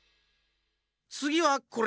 つぎはこれ。